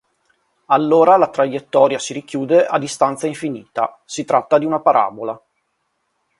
Allora la traiettoria si richiude a distanza infinita: si tratta di una parabola.